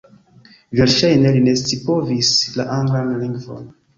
Verŝajne li ne scipovis la anglan lingvon.